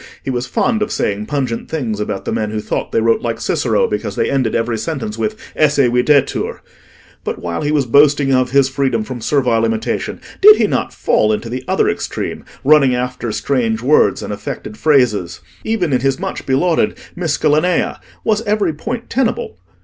He was fond of saying pungent things about the men who thought they wrote like Cicero because they ended every sentence with "esse videtur:" but while he was boasting of his freedom from servile imitation, did he not fall into the other extreme, running after strange words and affected phrases? Even in his much belauded 'Miscellanea' was every point tenable?